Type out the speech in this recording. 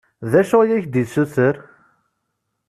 D acu i ak-d-yessuter?